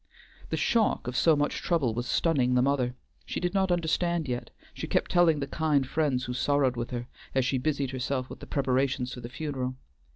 The shock of so much trouble was stunning the mother; she did not understand yet, she kept telling the kind friends who sorrowed with her, as she busied herself with the preparations for the funeral.